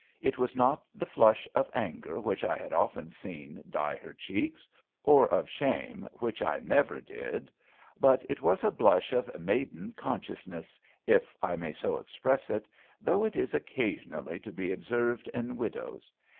It was not the flush of anger which I had often seen dye her cheeks, or of shame, which I never did; but it was a blush of maiden consciousness, if I may so express it, though it is occasionally to be observed in widows.